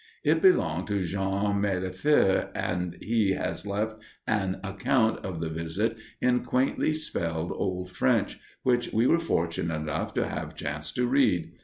It belonged to Jean Mailefer, and he has left an account of the visit in quaintly spelled old French which we were fortunate enough to have a chance to read.